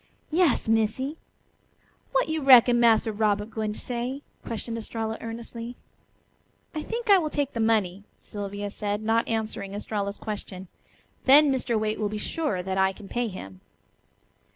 "Yas, Missy. Wat yo' reckon Massa Robert gwine to say?" questioned Estralla earnestly. "I think I will take the money," Sylvia said, not answering Estralla's question; "then Mr. Waite will be sure that I can pay him."